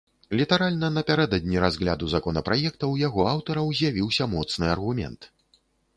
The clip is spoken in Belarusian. Літаральна напярэдадні разгляду законапраекта ў яго аўтараў з'явіўся моцны аргумент.